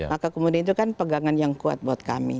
maka kemudian itu kan pegangan yang kuat buat kami